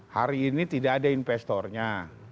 hari ini tidak ada investornya